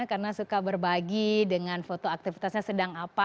karena suka berbagi dengan foto aktivitasnya sedang apa